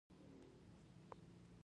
تل د پیرودونکي وخت ته ارزښت ورکړه.